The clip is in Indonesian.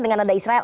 dengan nada israel